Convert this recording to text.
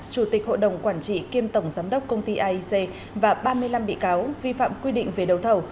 chủ tịch hội đồng quản trị kiêm tổng giám đốc công ty aic và ba mươi năm bị cáo vi phạm quy định về đấu thầu